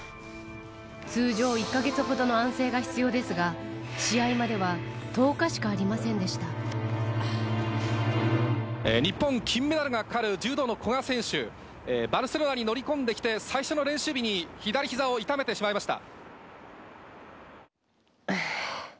通常１か月ほどの安静が必要ですが、試合までは１０日しかありま日本、金メダルがかかる柔道の古賀選手、バルセロナに乗り込んできて最初の練習日に左ひざを痛めてしまいました。